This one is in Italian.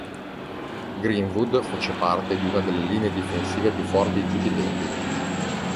Greenwood fece parte di una delle linee difensive più forti di tutti i tempi.